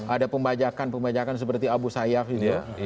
ada pembajakan pembajakan seperti abu sayyaf itu